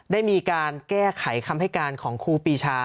ได้มีการแก้ไขคำให้การของครูปีชา